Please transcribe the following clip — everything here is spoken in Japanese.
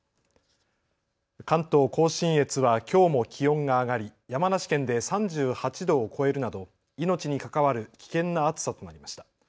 関東甲信越はきょうも気温が上がり山梨県で３８度を超えるなど命に関わる危険な暑さとなりました。